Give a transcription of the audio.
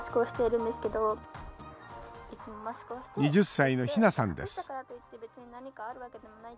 ２０歳のひなさんです。